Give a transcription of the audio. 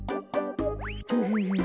フフフフ。